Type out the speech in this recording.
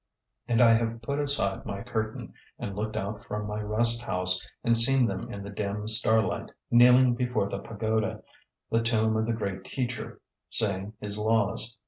And I have put aside my curtain and looked out from my rest house and seen them in the dim starlight kneeling before the pagoda, the tomb of the great teacher, saying his laws.